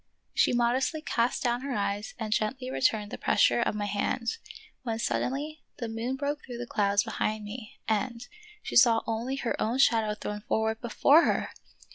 She modestly cast down her eyes and gently returned the pressure of my hand, when suddenly the moon broke through the clouds behind me and — she saw only her own shadow thrown forward before her!